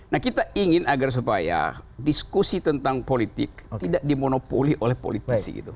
nah kita ingin agar supaya diskusi tentang politik tidak dimonopoli oleh politisi